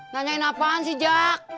nanyain apaan sih jak